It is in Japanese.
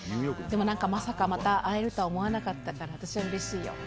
でもなんか、まさかまた会えるとは思わなかったから、私はうれしいよ。